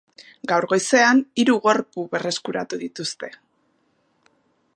Gaur goizean, hiru gorpu berreskuratu dituzte.